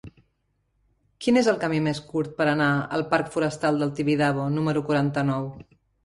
Quin és el camí més curt per anar al parc Forestal del Tibidabo número quaranta-nou?